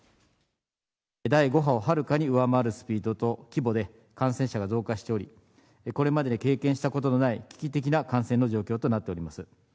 第５波をはるかに上回るスピードと規模で、感染者が増加しており、これまでに経験したことのない危機的な感染の状況となっております。